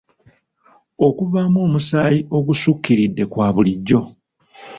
Okuvaamu omusaayi okussukkiridde kwa bulijjo.